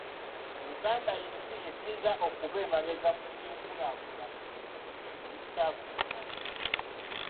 "Uganda y'ensi esinga okuba emabega mu by'enkulaakulana mu East Africa.